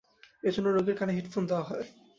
এজন্য রোগীর কানে হেডফোন দেওয়া হয়।